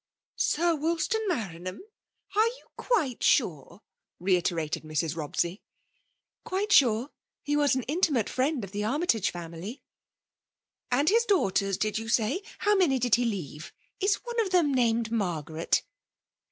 '^ Sir Wolstan Maranham ! Are you quite sure?" reiterated Mrs. Bobsey. *' Quite sure. He was an intimate friend of the Armytage family." " And his daughters^ did you say ? How many did he leave ? Is one of them named Margaret